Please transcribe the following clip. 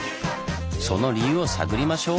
その理由を探りましょう！